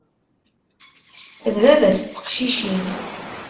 D baba-s n teqcicin.